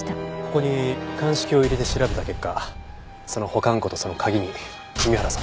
ここに鑑識を入れて調べた結果その保管庫とその鍵に弓原さんの指紋があったんです。